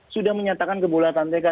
sudah menyatakan kebulatan mereka